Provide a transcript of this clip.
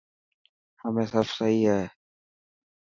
همي سب سهي هي؟